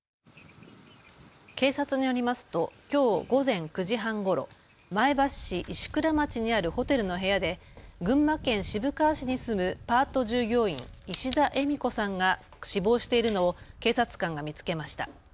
警察によりますときょう午前９時半ごろ、前橋市石倉町にあるホテルの部屋で群馬県渋川市に住むパート従業員、石田えみ子さんが死亡しているのを警察官が見つけました。